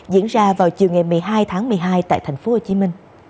diễn ra vào chiều ngày một mươi hai tháng một mươi hai tại tp hcm